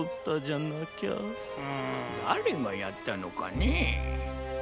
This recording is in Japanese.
だれがやったのかねえ。